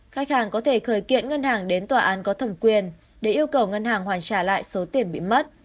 khách hàng có thể khởi kiện ngân hàng đến tòa án có thẩm quyền để yêu cầu ngân hàng hoàn trả lại số tiền bị mất